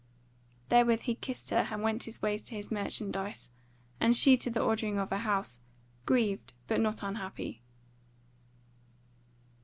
Therewith he kissed her and went his ways to his merchandize, and she to the ordering of her house, grieved but not unhappy.